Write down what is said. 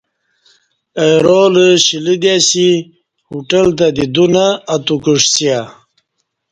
اہ رالہ شیلہ دی اسی ہوٹل تہ دی دو نہ اتوکعسیہ